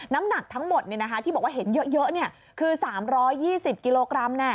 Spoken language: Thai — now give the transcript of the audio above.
น้ำหนักทั้งหมดที่บอกว่าเห็นเยอะคือ๓๒๐กิโลกรัม